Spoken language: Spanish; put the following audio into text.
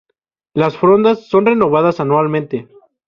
Las frondas son renovadas anualmente.